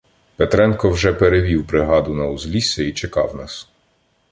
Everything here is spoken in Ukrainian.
Петренко вже перевів бригаду на узлісся і чекав нас.